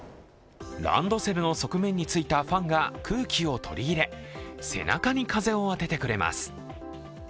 ランドセルの側面についたファンが空気を取り入れ背中に風を当ててくれます。